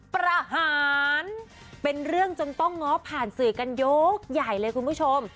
ประหารเป็นเรื่องจนต้องง้อผ่านสื่อกันยกใหญ่เลยคุณผู้ชม